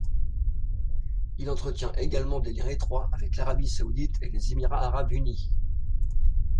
Il entretient également des liens étroits avec l'Arabie saoudite et les Émirats arabes unis.